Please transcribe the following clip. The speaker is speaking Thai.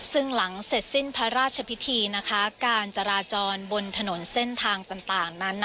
ซึ่งหลังเสร็จสิ้นพระราชพิธีนะคะการจราจรบนถนนเส้นทางต่างนั้น